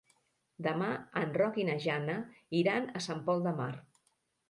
Demà en Roc i na Jana iran a Sant Pol de Mar.